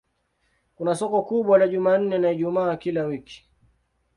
Kuna soko kubwa la Jumanne na Ijumaa kila wiki.